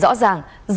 với xã hội